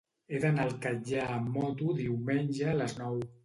He d'anar al Catllar amb moto diumenge a les nou.